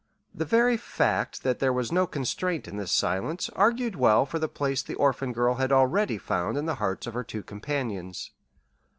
The very fact that there was no constraint in this silence argued well for the place the orphan girl had already found in the hearts of her two companions.